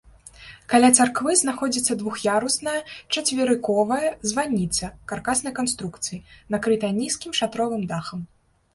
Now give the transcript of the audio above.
Каля царквы знаходзіцца двух'ярусная чацверыковая званіца каркаснай канструкцыі, накрытая нізкім шатровым дахам.